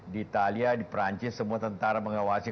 di italia di perancis semua tentara mengawasi